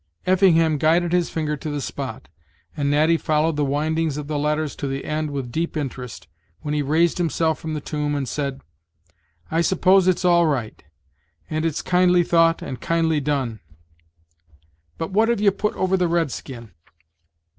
Effingham guided his finger to the spot, and Natty followed the windings of the letters to the end with deep interest, when he raised himself from the tomb, and said: "I suppose it's all right; and it's kindly thought, and kindly done! But what have ye put over the red skin?"